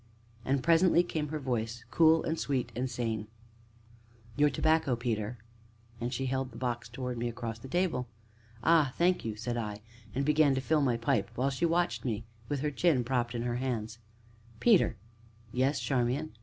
And presently came her voice, cool and sweet and sane: "Your tobacco, Peter," and she held the box towards me across the table. "Ah, thank you!" said I, and began to fill my pipe, while she watched me with her chin propped in her hands. "Peter!" "Yes, Charmian?"